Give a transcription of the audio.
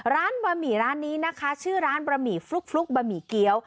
บะหมี่ร้านนี้นะคะชื่อร้านบะหมี่ฟลุกบะหมี่เกี้ยว